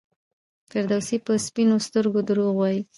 فردوسي په سپینو سترګو دروغ وایي.